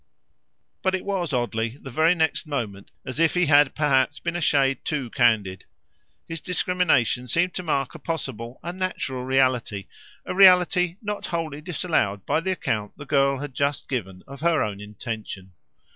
But it was oddly, the very next moment, as if he had perhaps been a shade too candid. His discrimination seemed to mark a possible, a natural reality, a reality not wholly disallowed by the account the girl had just given of her own intention.